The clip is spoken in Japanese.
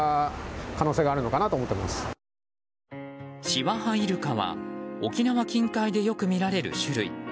シワハイルカは沖縄近海でよく見られる種類。